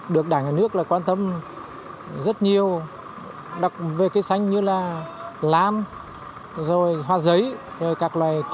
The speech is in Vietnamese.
đảng nước quan tâm rất nhiều đặc vệ cây xanh như là lan rồi hoa giấy rồi các loài